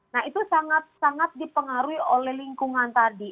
nah itu sangat sangat dipengaruhi oleh lingkungan tadi